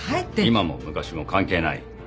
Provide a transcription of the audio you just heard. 今も昔も関係ない。